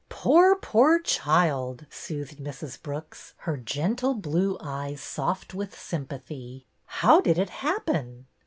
Poor, poor child !" soothed Mrs. Brooks, her gentle blue eyes soft with sympathy. " How did it happen